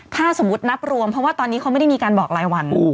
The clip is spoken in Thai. ถ้าสมมุตินับรวมเพราะว่าตอนนี้เขาไม่ได้มีการบอกรายวัน